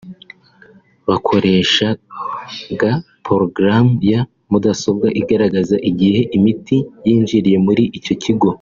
“Bakoreshaga porogaramu ya mudasobwa igaragaza igihe imiti yinjiriye muri icyo kigo